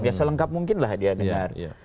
ya selengkap mungkin lah dia dengar